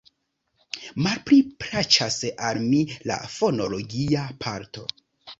Malpli plaĉas al mi la fonologia parto.